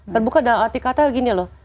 terbuka dalam arti kata gini loh